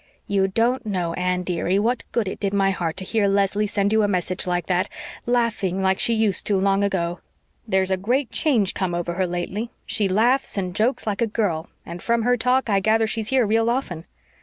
You don't know, Anne, dearie, what good it did my heart to hear Leslie send you a message like that, laughing like she used to long ago. "There's a great change come over her lately. She laughs and jokes like a girl, and from her talk I gather she's here real often."